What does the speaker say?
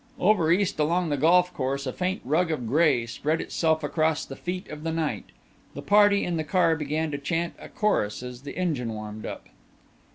Over east along the golf course a faint rug of gray spread itself across the feet of the night. The party in the car began to chant a chorus as the engine warmed up.